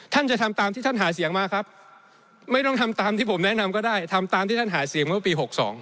จะทำตามที่ท่านหาเสียงมาครับไม่ต้องทำตามที่ผมแนะนำก็ได้ทำตามที่ท่านหาเสียงเมื่อปี๖๒